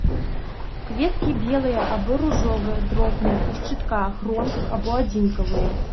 Кветкі белыя або ружовыя, дробныя, у шчытках, гронках або адзінкавыя.